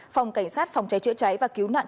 phòng cảnh sát phòng cháy chữa cháy và cứu nạn